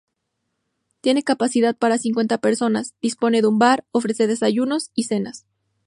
Tiene capacidad para cincuenta personas, dispone de un bar y ofrece desayunos y cenas.